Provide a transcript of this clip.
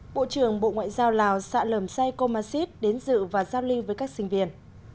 bộ trưởng bộ ngoại giao lào sạ lầm sai komachit đến dự và giao lưu với các sinh viên